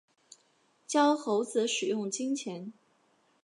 教猴子使用金钱